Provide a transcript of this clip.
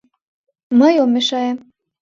— Мый ом мешае.